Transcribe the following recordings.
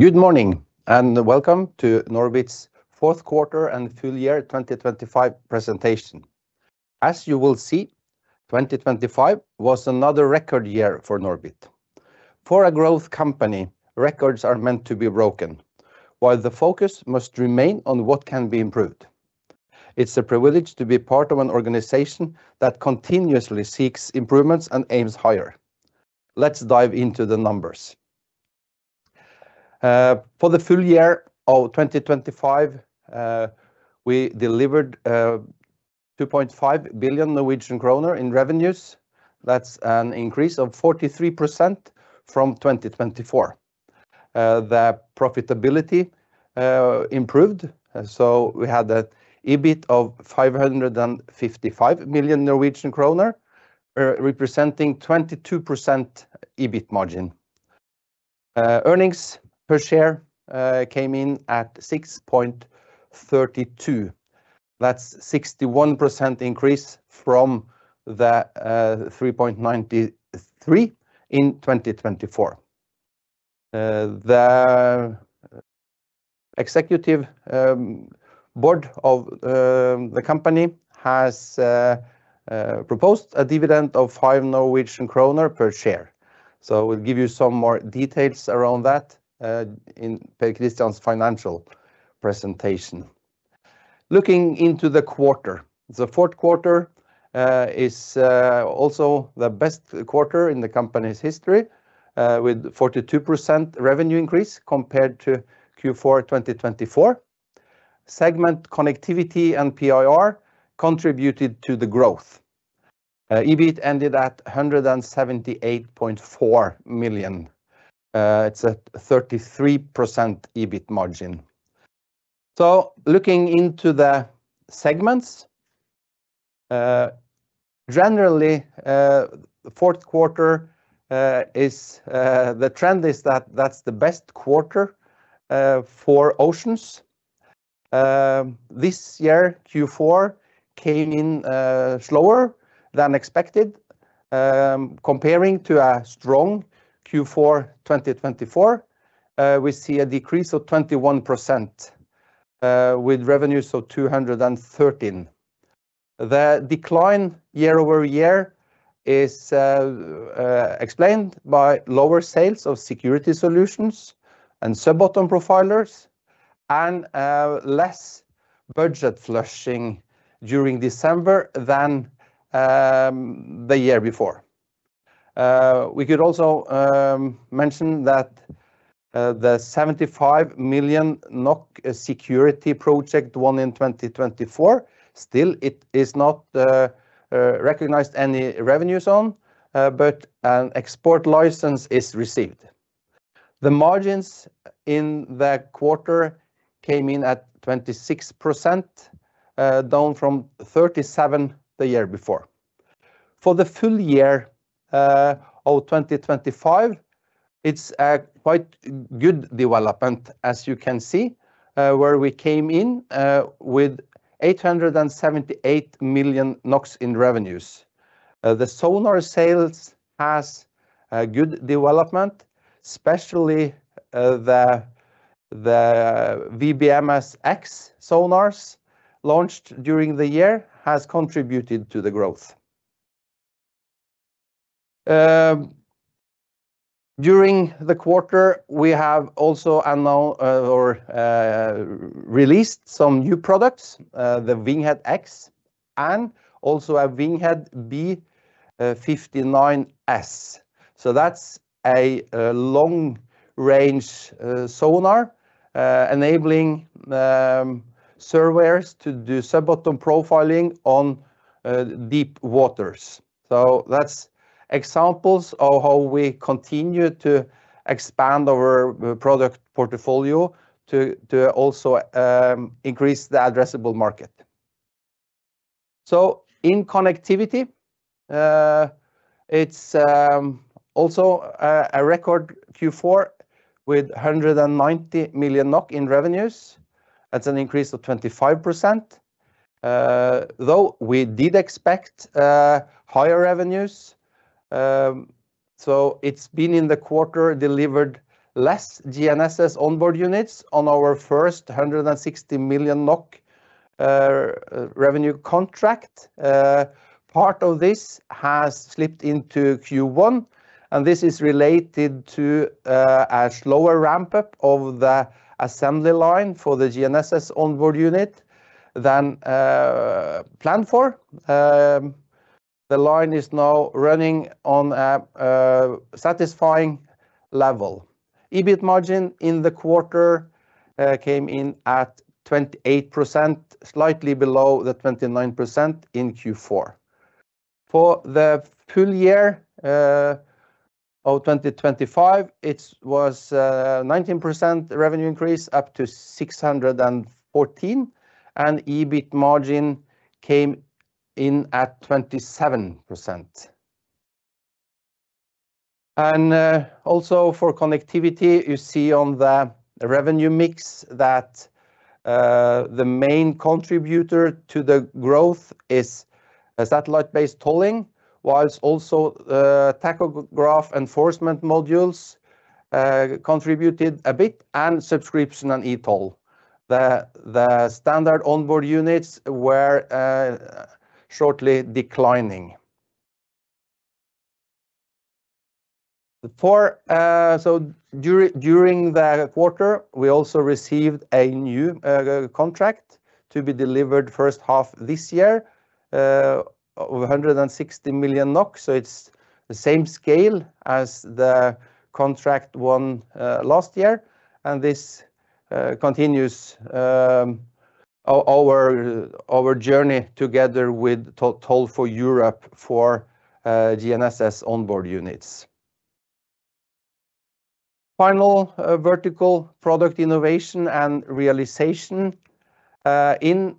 Good morning, and welcome to Norbit's fourth quarter and full year 2025 presentation. As you will see, 2025 was another record year for Norbit. For a growth company, records are meant to be broken, while the focus must remain on what can be improved. It's a privilege to be part of an organization that continuously seeks improvements and aims higher. Let's dive into the numbers. For the full year of 2025, we delivered 2.5 billion Norwegian kroner in revenues. That's an increase of 43% from 2024. The profitability improved, so we had an EBIT of 555 million Norwegian kroner, representing 22% EBIT margin. Earnings per share came in at 6.32. That's 61% increase from the 3.93 in 2024. The executive board of the company has proposed a dividend of 5 Norwegian kroner per share. So we'll give you some more details around that in Per-Kristian's financial presentation. Looking into the quarter, the fourth quarter is also the best quarter in the company's history with 42% revenue increase compared to Q4 2024. Segment Connectivity and PIR contributed to the growth. EBIT ended at 178.4 million. It's a 33% EBIT margin. So looking into the segments, generally, fourth quarter is the trend is that that's the best quarter for Oceans. This year, Q4 came in slower than expected. Comparing to a strong Q4 2024, we see a decrease of 21% with revenues of 213 million. The decline year-over-year is explained by lower sales of security solutions and sub-bottom profilers and less budget flushing during December than the year before. We could also mention that the 75 million NOK security project won in 2024 still it is not recognized any revenues on but an export license is received. The margins in the quarter came in at 26%, down from 37% the year before. For the full year of 2025, it's a quite good development, as you can see, where we came in with 878 million NOK in revenues. The sonar sales has a good development, especially the WBMS sonars launched during the year has contributed to the growth. During the quarter, we have also announced or released some new products, the WINGHEAD X and also a WINGHEAD B59S. So that's a long-range sonar enabling surveyors to do sub-bottom profiling on deep waters. So that's examples of how we continue to expand our product portfolio to also increase the addressable market. So in Connectivity, it's also a record Q4 with 190 million NOK in revenues. That's an increase of 25%. Though we did expect higher revenues, so it's been in the quarter, delivered less GNSS onboard units on our first 160 million NOK revenue contract. Part of this has slipped into Q1, and this is related to a slower ramp-up of the assembly line for the GNSS Onboard Unit than planned for. The line is now running on a satisfying level. EBIT margin in the quarter came in at 28%, slightly below the 29% in Q4. For the full year of 2025, it was 19% revenue increase, up to 614 million, and EBIT margin came in at 27%. Also for Connectivity, you see on the revenue mix that the main contributor to the growth is a satellite-based tolling, whilst also tachograph enforcement modules contributed a bit, and subscription and e-toll. The standard onboard units were shortly declining. During the quarter, we also received a new contract to be delivered first half this year, over 160 million NOK. It's the same scale as the contract won last year, and this continues our journey together with Toll4Europe for GNSS Onboard Units. Finally, vertical Product Innovation and Realization. In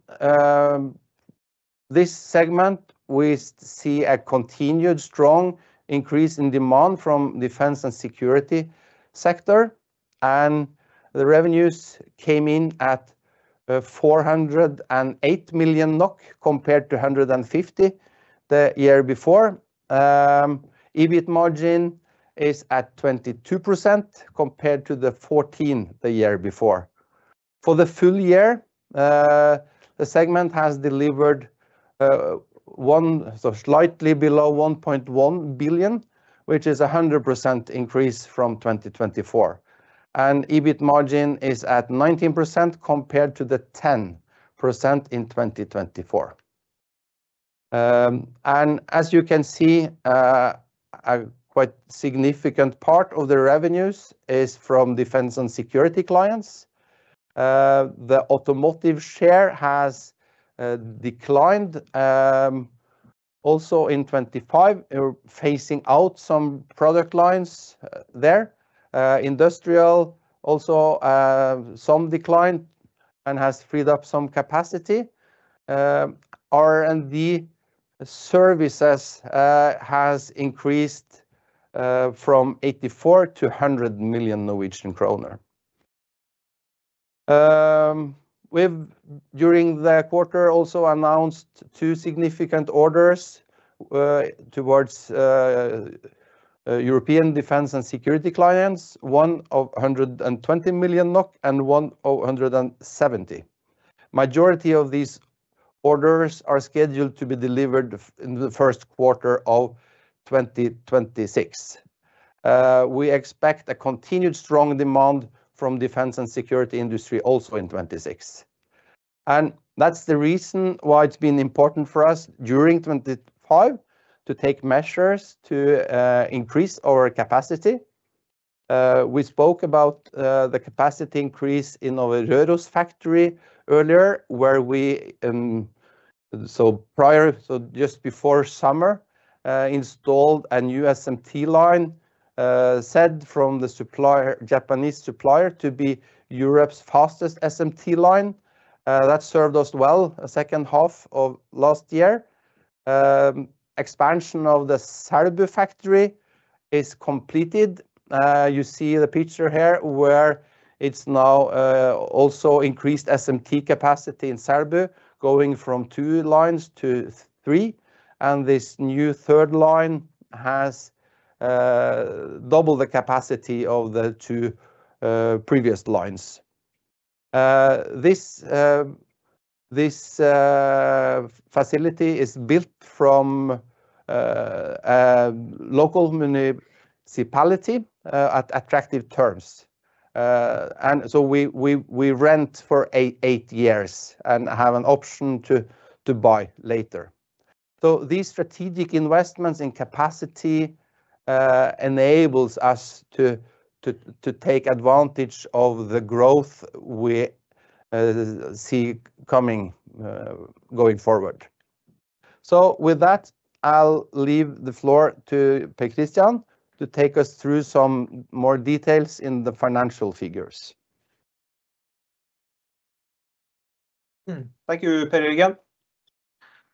this segment, we see a continued strong increase in demand from defense and security sector, and the revenues came in at 408 million NOK, compared to 150 million NOK the year before. EBIT margin is at 22%, compared to the 14% the year before. For the full year, the segment has delivered one, so slightly below 1.1 billion, which is a 100% increase from 2024, and EBIT margin is at 19%, compared to the 10% in 2024. And as you can see, a quite significant part of the revenues is from defense and security clients. The automotive share has declined also in 2025. We're phasing out some product lines there. Industrial also some decline and has freed up some capacity. R&D services has increased from 84 million to 100 million Norwegian kroner. We've during the quarter also announced two significant orders towards European defense and security clients, one of 120 million NOK and one of 170 million. Majority of these orders are scheduled to be delivered in the first quarter of 2026. We expect a continued strong demand from defense and security industry also in 2026, and that's the reason why it's been important for us during 2025 to take measures to increase our capacity. We spoke about the capacity increase in our Røros factory earlier, where we so just before summer installed a new SMT line said from the supplier, Japanese supplier, to be Europe's fastest SMT line. That served us well the second half of last year. Expansion of the Sarpsborg factory is completed. You see the picture here, where it's now also increased SMT capacity in Sarpsborg, going from two lines to three, and this new third line has double the capacity of the two previous lines. This facility is built from a local municipality at attractive terms. And so we rent for eight years and have an option to buy later. So these strategic investments in capacity enables us to take advantage of the growth we see coming going forward. So with that, I'll leave the floor to Per-Kristian to take us through some more details in the financial figures. Hmm, thank you, Per Jørgen.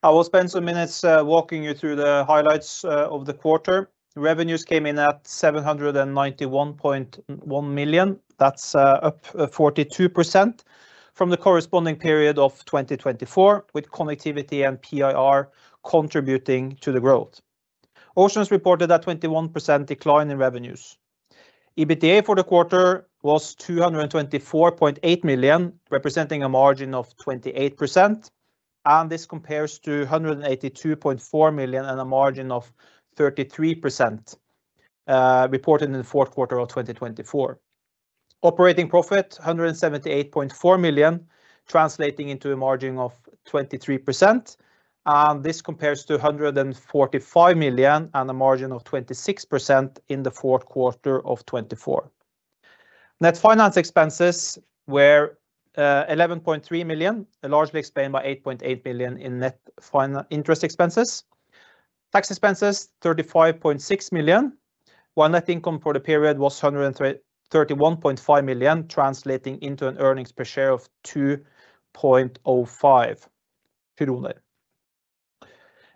I will spend some minutes walking you through the highlights of the quarter. Revenues came in at 791.1 million. That's up 42% from the corresponding period of twenty twenty-four, with Connectivity and PIR contributing to the growth. Oceans reported a 21% decline in revenues. EBITDA for the quarter was 224.8 million, representing a margin of 28%, and this compares to 182.4 million and a margin of 33% reported in the fourth quarter of 2024. Operating profit: 178.4 million, translating into a margin of 23%, and this compares to 145 million and a margin of 26% in the fourth quarter of 2024. Net finance expenses were 11.3 million NOK, largely explained by 8.8 million NOK in net financial interest expenses. Tax expenses: 35.6 million NOK, while net income for the period was 131.5 million NOK, translating into an earnings per share of 2.05 kroner....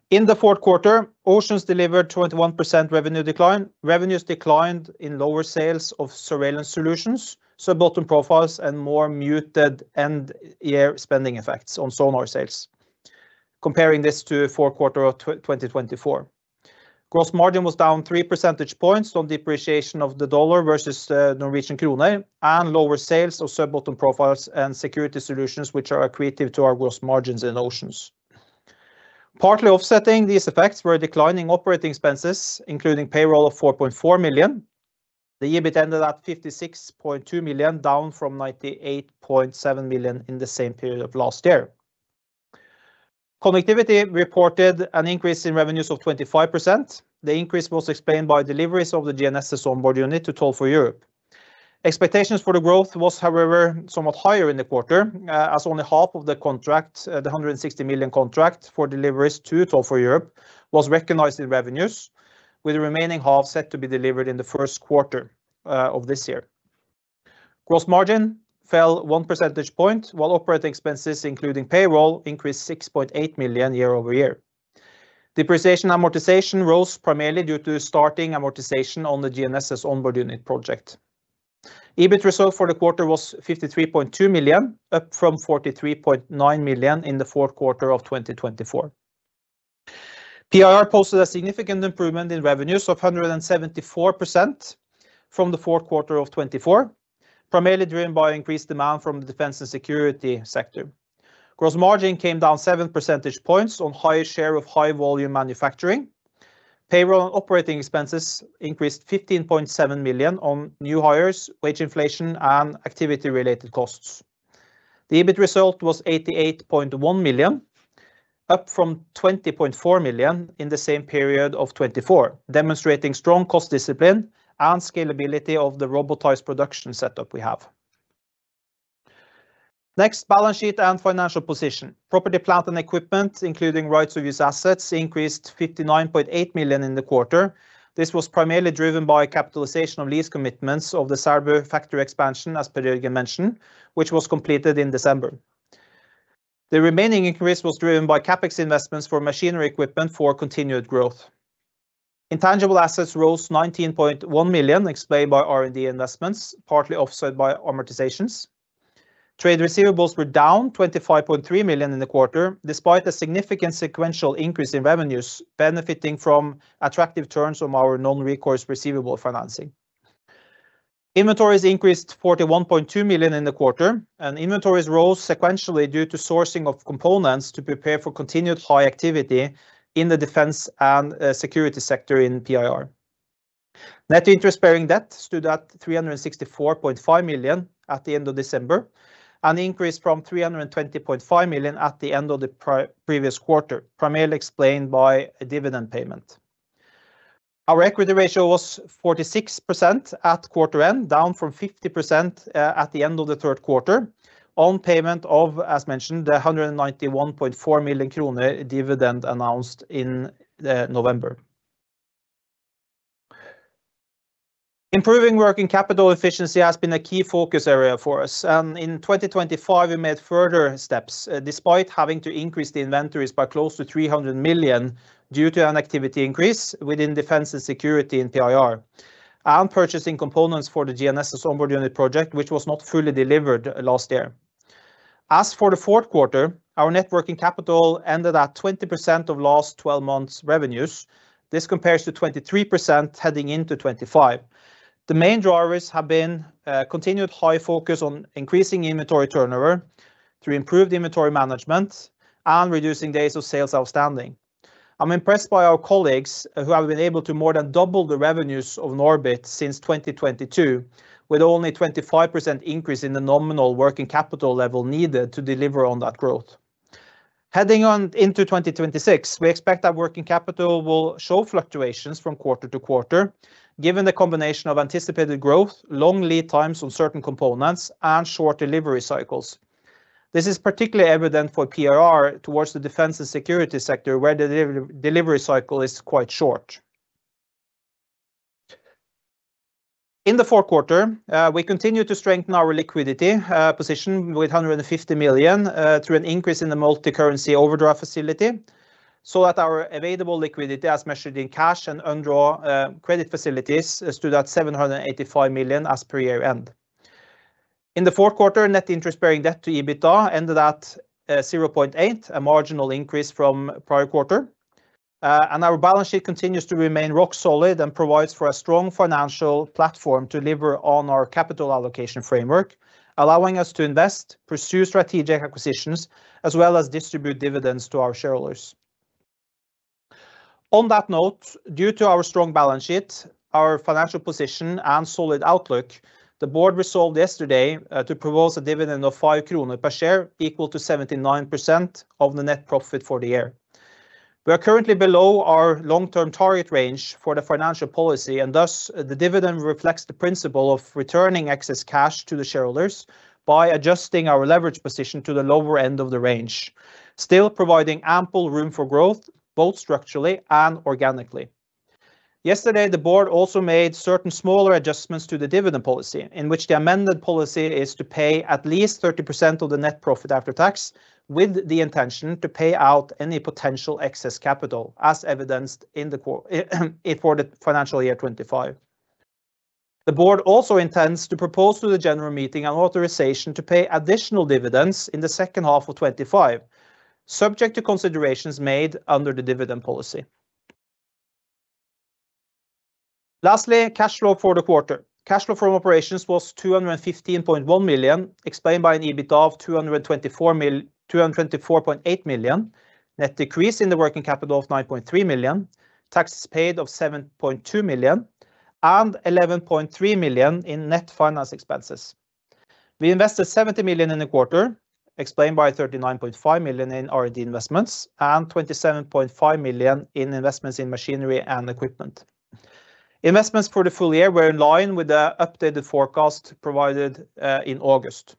In the fourth quarter, Oceans delivered 21% revenue decline. Revenues declined in lower sales of surveillance solutions, sub-bottom profilers and more muted end-year spending effects on sonar sales, comparing this to fourth quarter of 2024. Gross margin was down three percentage points on depreciation of the dollar versus the Norwegian krone and lower sales of sub-bottom profilers and security solutions, which are accretive to our gross margins in Oceans. Partly offsetting these effects were declining operating expenses, including payroll of 4.4 million NOK. The EBIT ended at 56.2 million, down from 98.7 million in the same period of last year. Connectivity reported an increase in revenues of 25%. The increase was explained by deliveries of the GNSS Onboard Unit to Toll4Europe. Expectations for the growth was, however, somewhat higher in the quarter, as only half of the contract, the 160 million contract for deliveries to Toll4Europe, was recognized in revenues, with the remaining half set to be delivered in the first quarter of this year. Gross margin fell one percentage point, while operating expenses, including payroll, increased 6.8 million year-over-year. Depreciation amortization rose primarily due to starting amortization on the GNSS Onboard Unit project. EBIT result for the quarter was 53.2 million, up from 43.9 million in the fourth quarter of 2024. PIR posted a significant improvement in revenues of 174% from the fourth quarter of 2024, primarily driven by increased demand from the defense and security sector. Gross margin came down seven percentage points on higher share of high-volume manufacturing. Payroll and operating expenses increased 15.7 million on new hires, wage inflation, and activity-related costs. The EBIT result was 88.1 million, up from 20.4 million in the same period of 2024, demonstrating strong cost discipline and scalability of the robotized production setup we have. Next, balance sheet and financial position. Property, plant, and equipment, including rights-of-use assets, increased 59.8 million in the quarter. This was primarily driven by capitalization of lease commitments of the Sarpsborg factory expansion, as Per Jørgen mentioned, which was completed in December. The remaining increase was driven by CapEx investments for machinery equipment for continued growth. Intangible assets rose 19.1 million, explained by R&D investments, partly offset by amortizations. Trade receivables were down 25.3 million in the quarter, despite a significant sequential increase in revenues, benefiting from attractive terms from our non-recourse receivable financing. Inventories increased 41.2 million in the quarter, and inventories rose sequentially due to sourcing of components to prepare for continued high activity in the defense and security sector in PIR. Net interest-bearing debt stood at 364.5 million at the end of December, an increase from 320.5 million at the end of the pre-previous quarter, primarily explained by a dividend payment. Our equity ratio was 46% at quarter end, down from 50%, at the end of the third quarter, on payment of, as mentioned, the 191.4 million krone dividend announced in, November. Improving working capital efficiency has been a key focus area for us, and in 2025, we made further steps, despite having to increase the inventories by close to 300 million due to an activity increase within defense and security in PIR and purchasing components for the GNSS Onboard Unit project, which was not fully delivered last year. As for the fourth quarter, our net working capital ended at 20% of last twelve months' revenues. This compares to 23% heading into 2025. The main drivers have been, continued high focus on increasing inventory turnover through improved inventory management and reducing days of sales outstanding. I'm impressed by our colleagues who have been able to more than double the revenues of NORBIT since 2022, with only 25% increase in the nominal working capital level needed to deliver on that growth. Heading on into 2026, we expect that working capital will show fluctuations from quarter to quarter, given the combination of anticipated growth, long lead times on certain components, and short delivery cycles. This is particularly evident for PIR towards the defense and security sector, where the delivery cycle is quite short. In the fourth quarter, we continued to strengthen our liquidity position with 150 million through an increase in the multicurrency overdraft facility, so that our available liquidity, as measured in cash and undrawn credit facilities, stood at 785 million as per year-end. In the fourth quarter, net interest-bearing debt to EBITDA ended at 0.8, a marginal increase from prior quarter. Our balance sheet continues to remain rock solid and provides for a strong financial platform to deliver on our capital allocation framework, allowing us to invest, pursue strategic acquisitions, as well as distribute dividends to our shareholders. On that note, due to our strong balance sheet, our financial position, and solid outlook, the board resolved yesterday to propose a dividend of 5 kroner per share, equal to 79% of the net profit for the year. We are currently below our long-term target range for the financial policy, and thus, the dividend reflects the principle of returning excess cash to the shareholders by adjusting our leverage position to the lower end of the range, still providing ample room for growth, both structurally and organically. Yesterday, the board also made certain smaller adjustments to the dividend policy, in which the amended policy is to pay at least 30% of the net profit after tax, with the intention to pay out any potential excess capital, as evidenced in the quarter, for the financial year 2025. The board also intends to propose to the general meeting an authorization to pay additional dividends in the second half of 2025, subject to considerations made under the dividend policy. Lastly, cash flow for the quarter. Cash flow from operations was 215.1 million, explained by an EBIT of 224.8 million, net decrease in the working capital of 9.3 million, taxes paid of 7.2 million, and 11.3 million in net finance expenses. We invested 70 million in the quarter, explained by 39.5 million in R&D investments and 27.5 million in investments in machinery and equipment. Investments for the full year were in line with the updated forecast provided in August.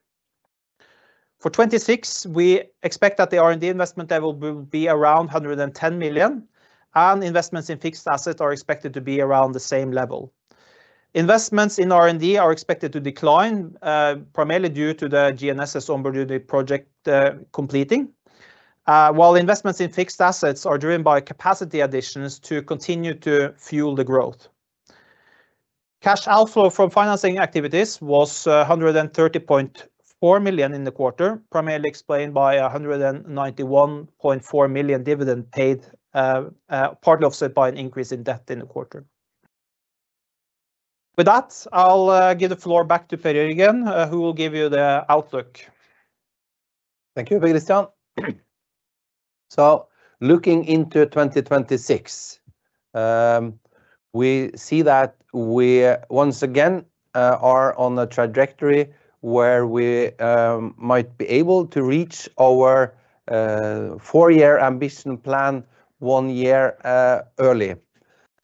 For 2026, we expect that the R&D investment level will be around 110 million, and investments in fixed assets are expected to be around the same level. Investments in R&D are expected to decline primarily due to the GNSS Onboard Unit project completing. While investments in fixed assets are driven by capacity additions to continue to fuel the growth. Cash outflow from financing activities was 130.4 million in the quarter, primarily explained by 191.4 million dividend paid, partly offset by an increase in debt in the quarter. With that, I'll give the floor back to Per Jørgen again, who will give you the outlook. Thank you, Per-Kristian. So looking into 2026, we see that we once again are on a trajectory where we might be able to reach our four-year ambition plan one year early.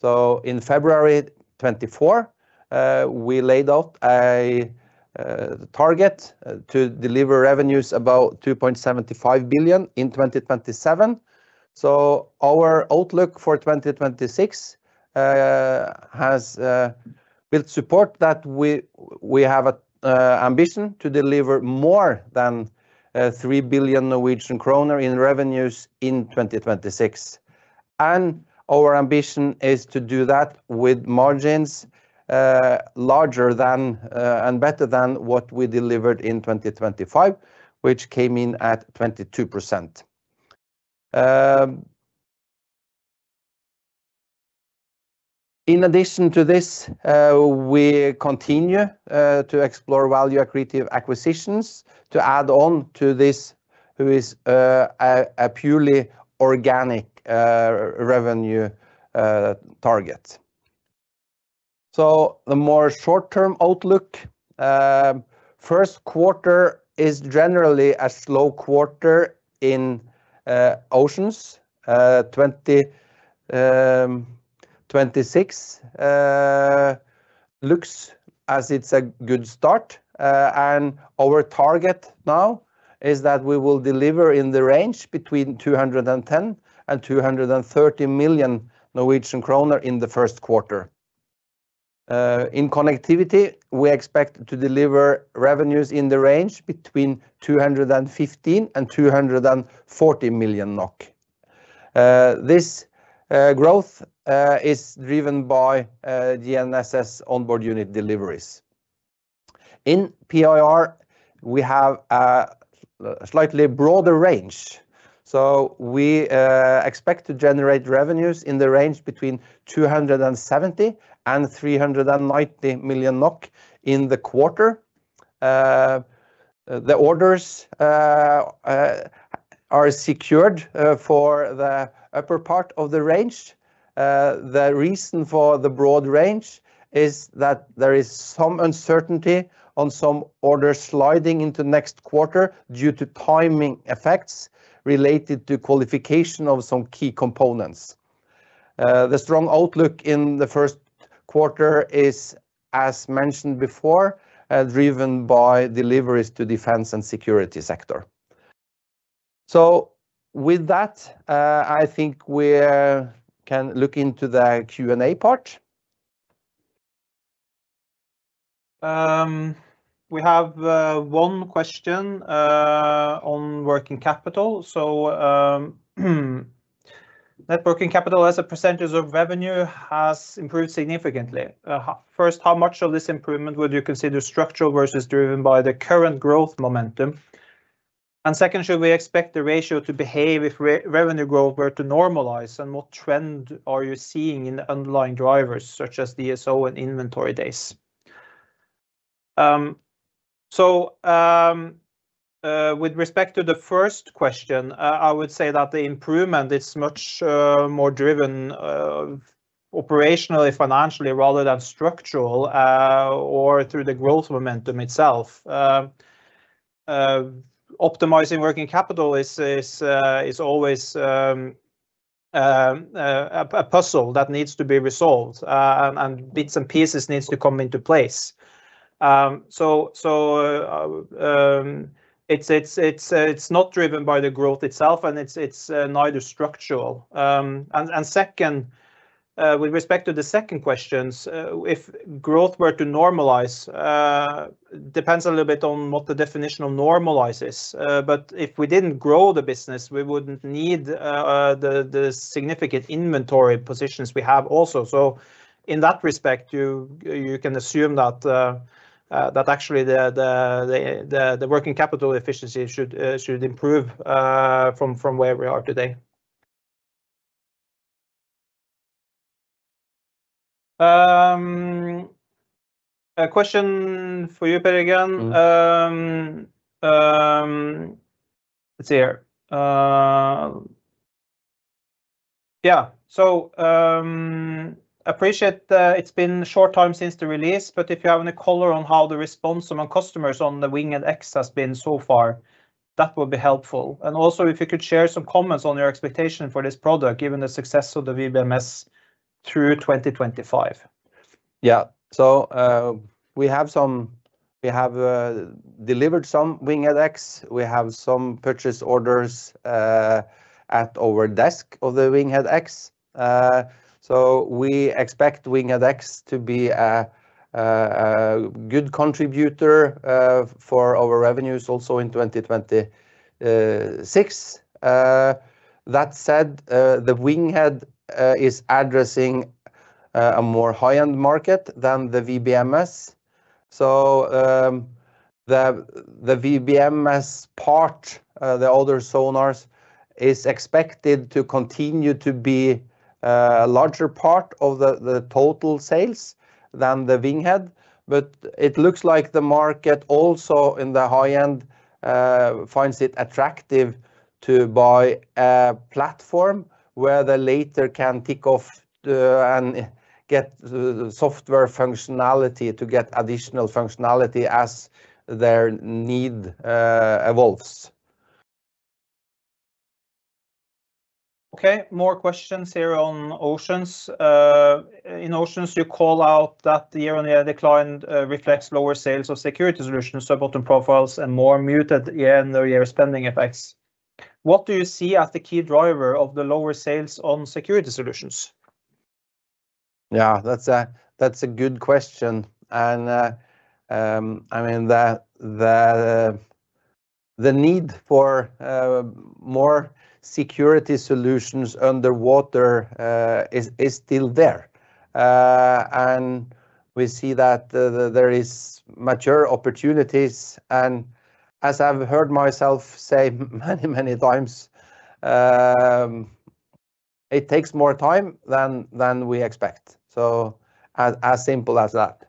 So in February 2024, we laid out a target to deliver revenues about 2.75 billion in 2027. So our outlook for 2026 has built support that we have an ambition to deliver more than 3 billion Norwegian kroner in revenues in 2026. And our ambition is to do that with margins larger than and better than what we delivered in 2025, which came in at 22%. In addition to this, we continue to explore value accretive acquisitions to add on to this, which is a purely organic revenue target. So the more short-term outlook, first quarter is generally a slow quarter in Oceans. 2026 looks as it's a good start, and our target now is that we will deliver in the range between 210 million and 230 million Norwegian kroner in the first quarter. In Connectivity, we expect to deliver revenues in the range between 215 million and 240 million NOK. This growth is driven by GNSS Onboard Unit deliveries. In PIR, we have a slightly broader range, so we expect to generate revenues in the range between 270 million and 390 million NOK in the quarter. The orders are secured for the upper part of the range. The reason for the broad range is that there is some uncertainty on some orders sliding into next quarter due to timing effects related to qualification of some key components. The strong outlook in the first quarter is, as mentioned before, driven by deliveries to defense and security sector. So with that, I think we can look into the Q&A part. We have one question on working capital. So, net working capital as a percentage of revenue has improved significantly. First, how much of this improvement would you consider structural versus driven by the current growth momentum? And second, should we expect the ratio to behave if revenue growth were to normalize, and what trend are you seeing in the underlying drivers, such as DSO and inventory days? So, with respect to the first question, I would say that the improvement is much more driven operationally, financially, rather than structural or through the growth momentum itself. Optimizing working capital is always a puzzle that needs to be resolved, and bits and pieces needs to come into place. It's not driven by the growth itself, and it's neither structural. With respect to the second questions, if growth were to normalize, depends a little bit on what the definition of normalize is. But if we didn't grow the business, we wouldn't need the significant inventory positions we have also. So in that respect, you can assume that actually the working capital efficiency should improve from where we are today. A question for you, Per Jørgen. Mm. Let's see here. Yeah, so, appreciate, it's been a short time since the release, but if you have any color on how the response among customers on the WINGHEAD X has been so far, that would be helpful. Also, if you could share some comments on your expectation for this product, given the success of the WBMS through 2025. Yeah. So, we have delivered some WINGHEAD X. We have some purchase orders at our desk of the WINGHEAD X. So we expect WINGHEAD X to be a good contributor for our revenues also in 2026. That said, the WINGHEAD is addressing a more high-end market than the WBMS. So, the WBMS part, the other sonars, is expected to continue to be a larger part of the total sales than the WINGHEAD. But it looks like the market also in the high end finds it attractive to buy a platform where they later can tick off and get the software functionality to get additional functionality as their need evolves. Okay, more questions here on Oceans. In Oceans, you call out that the year-on-year decline reflects lower sales of security solutions, sub-bottom profilers, and more muted year-on-year spending effects. What do you see as the key driver of the lower sales on security solutions? Yeah, that's a good question. And, I mean, the need for more security solutions underwater is still there. And we see that there is mature opportunities, and as I've heard myself say many, many times, it takes more time than we expect. So as simple as that.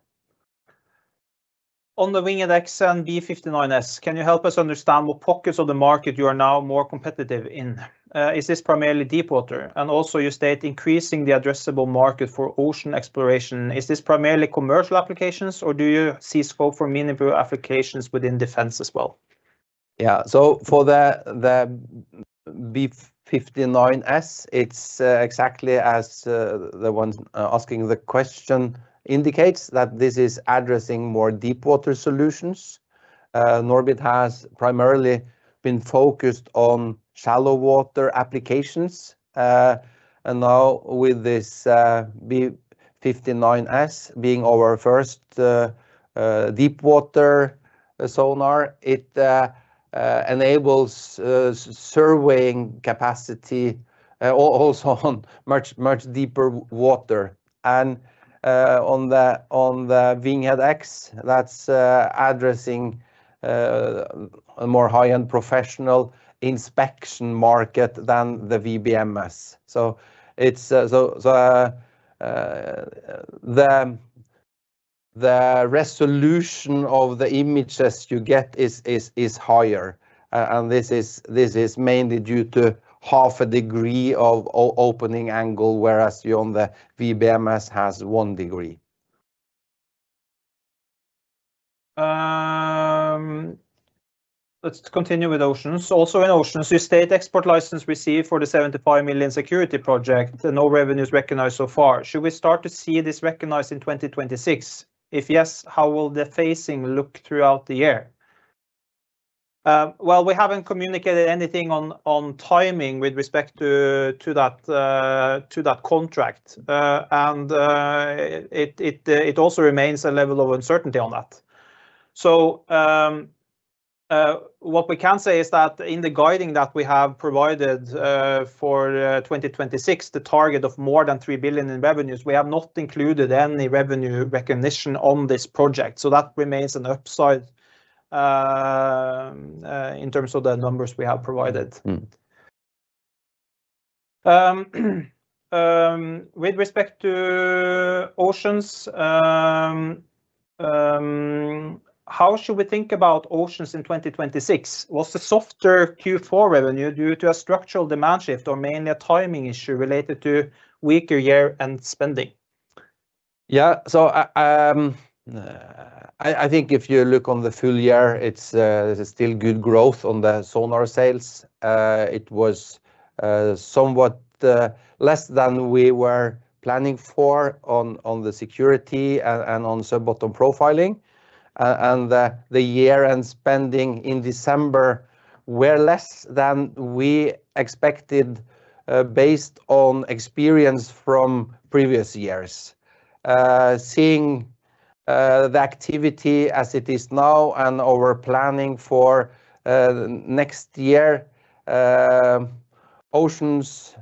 On the WINGHEAD X and B59S, can you help us understand what pockets of the market you are now more competitive in? Is this primarily deep water? And also you state, increasing the addressable market for ocean exploration, is this primarily commercial applications, or do you see scope for meaningful applications within defense as well? Yeah. So for the B59S, it's exactly as the one asking the question indicates that this is addressing more deep water solutions. NORBIT has primarily been focused on shallow water applications. And now with this B59S being our first deep water sonar, it enables surveying capacity also on much, much deeper water. And on the Winghead X, that's addressing a more high-end professional inspection market than the WBMS. So it's so the resolution of the images you get is higher, and this is mainly due to half a degree of opening angle, whereas you on the WBMS has one degree. Let's continue with Oceans. Also in Oceans, you state export license received for the 75 million security project, and no revenues recognized so far. Should we start to see this recognized in 2026? If yes, how will the phasing look throughout the year? Well, we haven't communicated anything on timing with respect to that contract. And it also remains a level of uncertainty on that. So, what we can say is that in the guiding that we have provided for 2026, the target of more than 3 billion in revenues, we have not included any revenue recognition on this project, so that remains an upside in terms of the numbers we have provided. Mm. With respect to Oceans, how should we think about Oceans in 2026? Was the softer Q4 revenue due to a structural demand shift or mainly a timing issue related to weaker year-end spending? Yeah. So, I think if you look on the full year, it's still good growth on the sonar sales. It was somewhat less than we were planning for on the security and on sub-bottom profiling. And the year-end spending in December were less than we expected, based on experience from previous years. Seeing the activity as it is now and our planning for next year, Oceans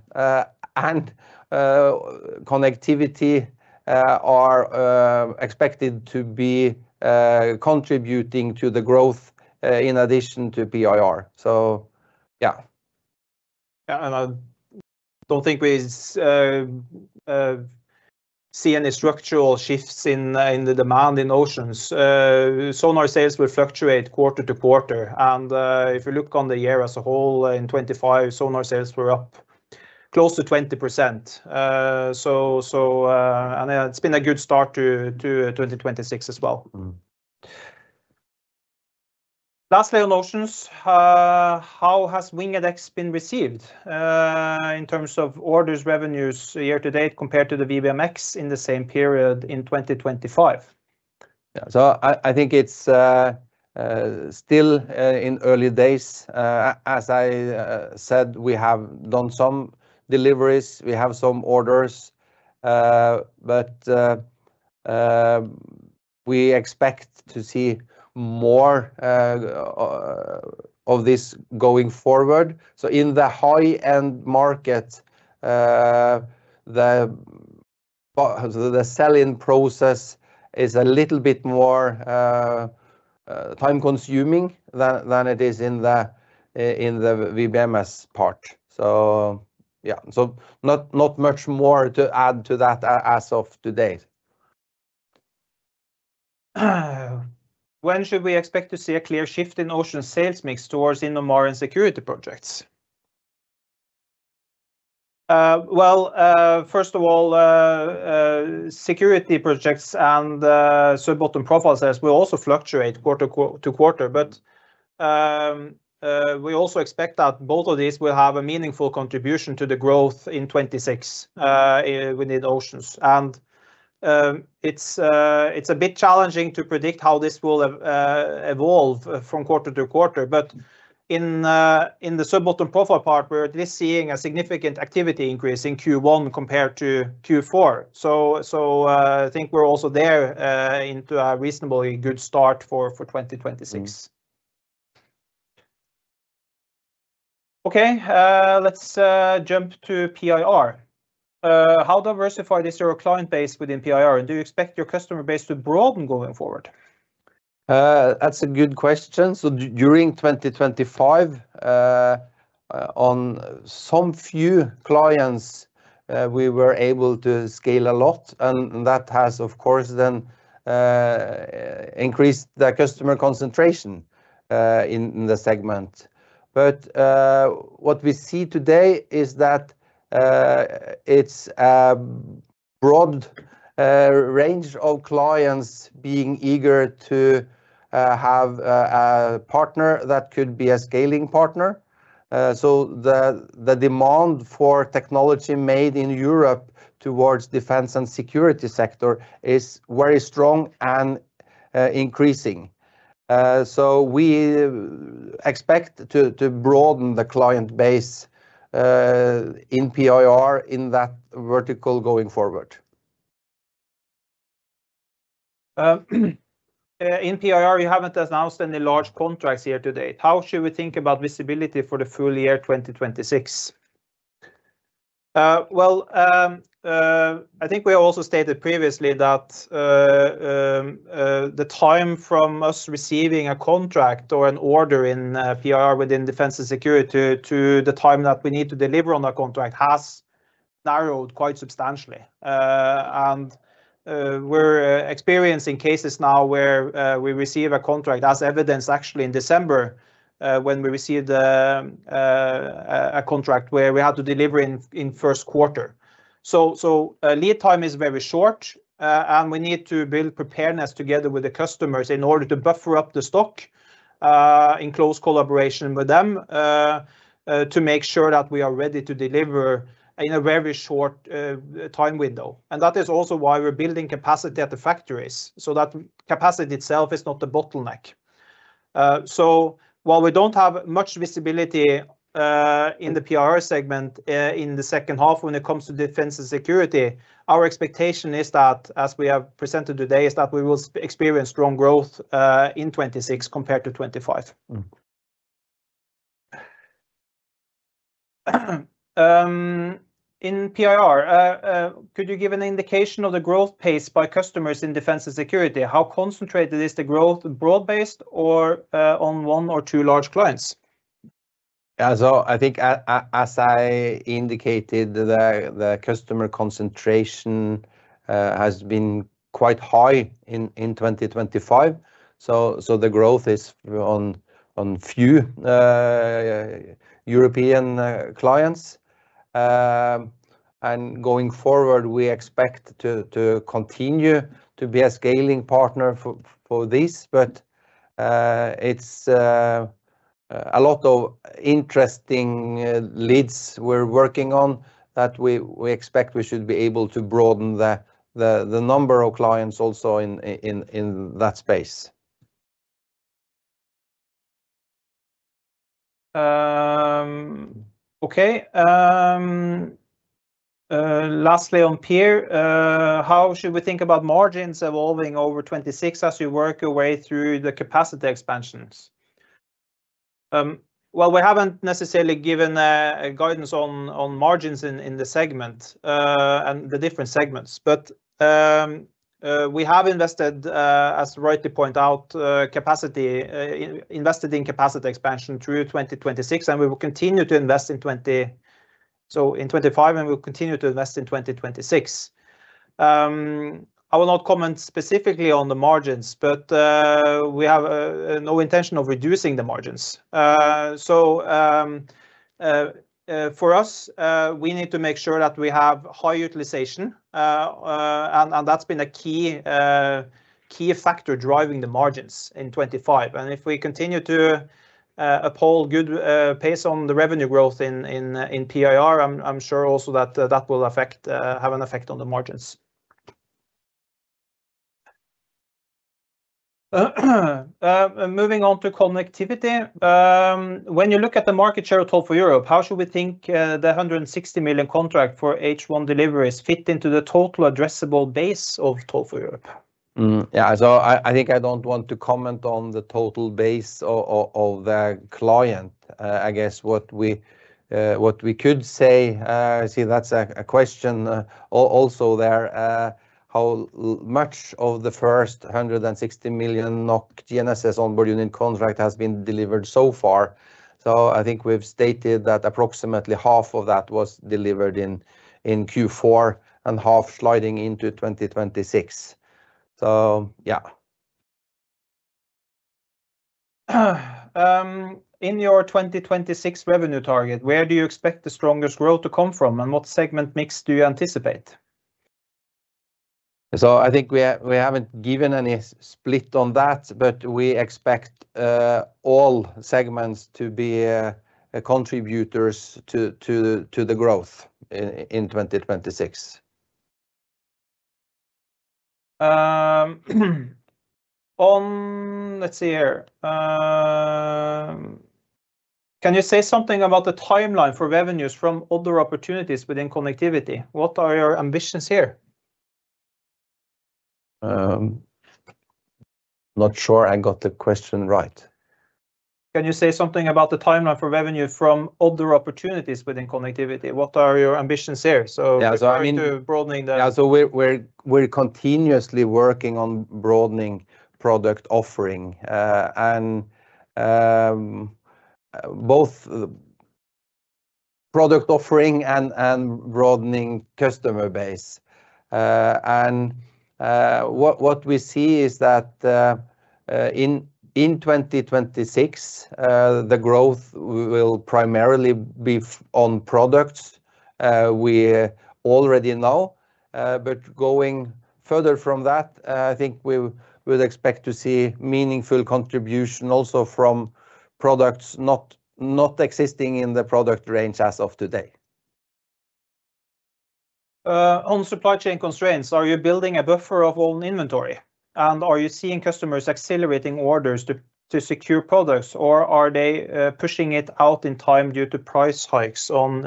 and Connectivity are expected to be contributing to the growth in addition to PIR. So, yeah. Yeah, and I don't think we see any structural shifts in the demand in Oceans. Sonar sales will fluctuate quarter to quarter, and if you look on the year as a whole, in 2025, sonar sales were up close to 20%. So, so, and yeah, it's been a good start to 2026 as well. Mm-hmm. Lastly on Oceans, how has WINGHEAD X been received, in terms of orders, revenues year to date compared to the WBMS in the same period in 2025? Yeah. So I think it's still in early days. As I said, we have done some deliveries, we have some orders, but we expect to see more of this going forward. So in the high-end market, the selling process is a little bit more time-consuming than it is in the WBMS part. So, yeah. So not much more to add to that as of today. When should we expect to see a clear shift in Oceans sales mix towards Innomar, security projects? Well, first of all, security projects and sub-bottom profilers will also fluctuate quarter to quarter, but we also expect that both of these will have a meaningful contribution to the growth in 2026 within Oceans. It's a bit challenging to predict how this will evolve from quarter to quarter, but in the sub-bottom profile part, we're at least seeing a significant activity increase in Q1 compared to Q4. So, I think we're also there into a reasonably good start for 2026. Mm-hmm. Okay, let's jump to PIR. How diversified is your client base within PIR, and do you expect your customer base to broaden going forward? That's a good question. So during 2025, on some few clients, we were able to scale a lot, and that has, of course, then, increased the customer concentration in the segment. But what we see today is that it's a broad range of clients being eager to have a partner that could be a scaling partner. So the demand for technology made in Europe towards defense and security sector is very strong and increasing. So we expect to broaden the client base in PIR in that vertical going forward. In PIR, you haven't announced any large contracts here to date. How should we think about visibility for the full year 2026? I think we also stated previously that the time from us receiving a contract or an order in PIR within defense and security to the time that we need to deliver on that contract has narrowed quite substantially. And, we're experiencing cases now where we receive a contract, as evidenced actually in December, when we received a contract where we had to deliver in first quarter. So, lead time is very short, and we need to build preparedness together with the customers in order to buffer up the stock, in close collaboration with them, to make sure that we are ready to deliver in a very short time window. And that is also why we're building capacity at the factories, so that capacity itself is not the bottleneck. So while we don't have much visibility in the PIR segment in the second half, when it comes to defense and security, our expectation is that, as we have presented today, is that we will experience strong growth in 2026 compared to 2025. Mm-hmm. In PIR, could you give an indication of the growth pace by customers in defense and security? How concentrated is the growth, broad-based or on one or two large clients? As I think, as I indicated, the customer concentration has been quite high in 2025, so the growth is on few European clients. And going forward, we expect to continue to be a scaling partner for this, but it's a lot of interesting leads we're working on that we expect we should be able to broaden the number of clients also in that space. Okay, lastly, on PIR, how should we think about margins evolving over 2026 as we work our way through the capacity expansions? Well, we haven't necessarily given a guidance on margins in the segment and the different segments. But we have invested, as you rightly point out, in capacity expansion through 2026, and we will continue to invest in 2025, and we'll continue to invest in 2026. I will not comment specifically on the margins, but we have no intention of reducing the margins. So, for us, we need to make sure that we have high utilization. And that's been a key factor driving the margins in 2025. And if we continue to uphold good pace on the revenue growth in PIR, I'm sure also that that will affect have an effect on the margins. Moving on to connectivity. When you look at the market share Toll4Europe, how should we think the 160 million contract for H1 deliveries fit into the total addressable base of total Toll4Europe? Yeah, so I think I don't want to comment on the total base of the client. I guess what we could say, I see that's a question also there, how much of the first 160 million NOK GNSS onboard unit contract has been delivered so far? So I think we've stated that approximately half of that was delivered in Q4 and half sliding into 2026. So, yeah. In your 2026 revenue target, where do you expect the strongest growth to come from, and what segment mix do you anticipate? So I think we haven't given any split on that, but we expect all segments to be contributors to the growth in 2026. Let's see here. Can you say something about the timeline for revenues from other opportunities within connectivity? What are your ambitions here? Not sure I got the question right. Can you say something about the timeline for revenue from other opportunities within connectivity? What are your ambitions here? So- Yeah, so I mean- Broadening the- Yeah, so we're continuously working on broadening product offering, and both product offering and broadening customer base. And what we see is that in 2026, the growth will primarily be from products we already know. But going further from that, I think we would expect to see meaningful contribution also from products not existing in the product range as of today. On supply chain constraints, are you building a buffer of own inventory, and are you seeing customers accelerating orders to secure products, or are they pushing it out in time due to price hikes on,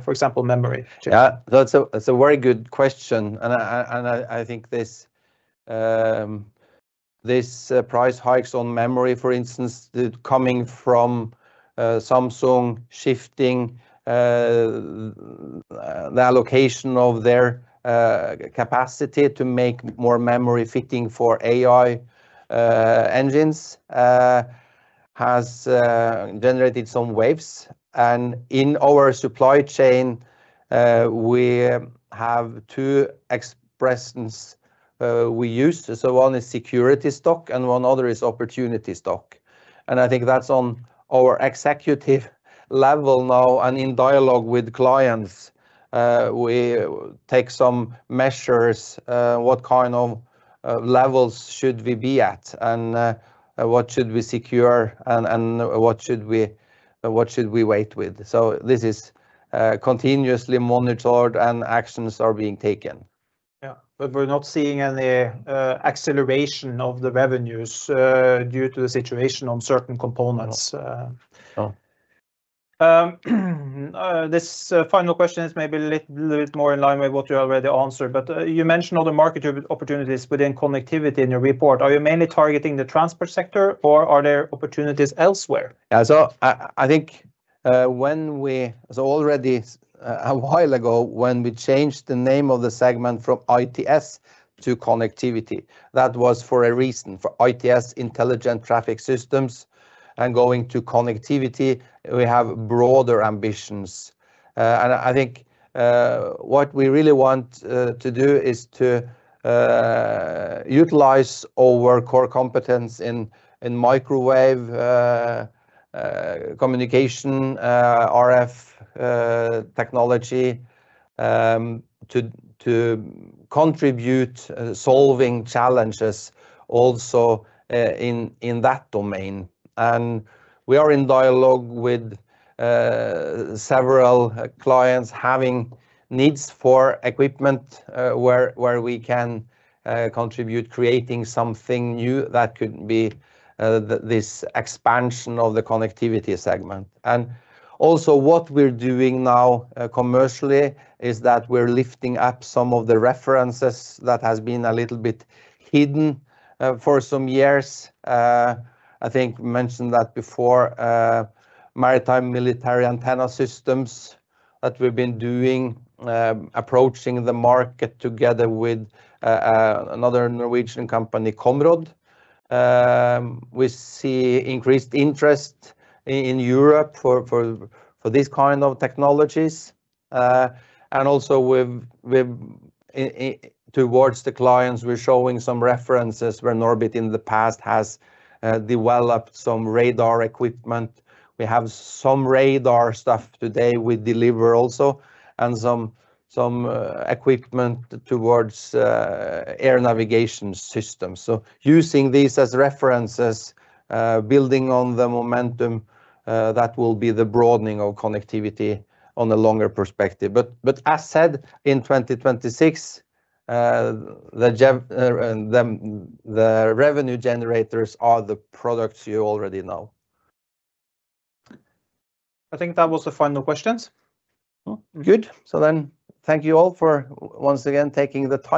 for example, memory? Yeah, that's a, it's a very good question, and I think this price hikes on memory, for instance, coming from Samsung shifting the allocation of their capacity to make more memory fitting for AI engines has generated some waves. And in our supply chain, we have two expressions we use. So one is security stock, and one other is opportunity stock. And I think that's on our executive level now and in dialogue with clients. We take some measures what kind of levels should we be at, and what should we secure, and what should we wait with? So this is continuously monitored, and actions are being taken. Yeah. But we're not seeing any acceleration of the revenues due to the situation on certain components. No. This final question is maybe a little bit more in line with what you already answered, but you mentioned all the market opportunities within connectivity in your report. Are you mainly targeting the transport sector, or are there opportunities elsewhere? Yeah, so I think when we changed the name of the segment from ITS to Connectivity, that was for a reason, for ITS, Intelligent Traffic Systems, and going to Connectivity, we have broader ambitions. And I think what we really want to do is to utilize our core competence in microwave communication RF technology to contribute solving challenges also in that domain. And we are in dialogue with several clients having needs for equipment where we can contribute creating something new that could be this expansion of the Connectivity segment. And also what we're doing now commercially is that we're lifting up some of the references that has been a little bit hidden for some years. I think we mentioned that before, maritime military antenna systems that we've been doing, approaching the market together with another Norwegian company, Comrod. We see increased interest in Europe for these kind of technologies. And also with it towards the clients, we're showing some references where NORBIT in the past has developed some radar equipment. We have some radar stuff today we deliver also, and some equipment towards air navigation systems. So using these as references, building on the momentum, that will be the broadening of connectivity on a longer perspective. But as said, in 2026, the revenue generators are the products you already know. I think that was the final questions. Good. Thank you all for once again taking the time today.